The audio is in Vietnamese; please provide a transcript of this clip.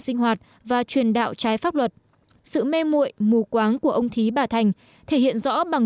sinh hoạt và truyền đạo trái pháp luật sự mê mụi mù quáng của ông thí bà thành thể hiện rõ bằng